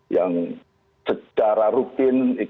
yang secara rutin